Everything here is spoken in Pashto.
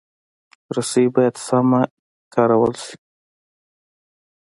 رسۍ باید سمه کارول شي.